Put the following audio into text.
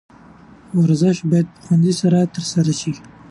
ورزش باید په خوند سره ترسره شي.